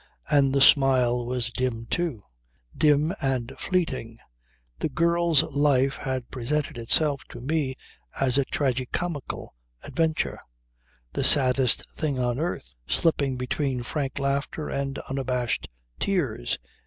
And the smile was dim too. Dim and fleeting. The girl's life had presented itself to me as a tragi comical adventure, the saddest thing on earth, slipping between frank laughter and unabashed tears.